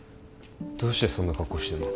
どうしてそんな格好してんの？